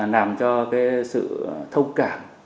làm cho sự thông cảm